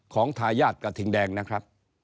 ทายาทกระทิงแดงนะครับ